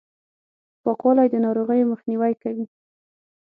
پاکوالي، د ناروغیو مخنیوی کوي!